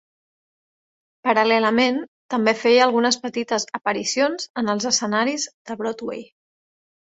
Paral·lelament, també feia algunes petites aparicions en els escenaris de Broadway.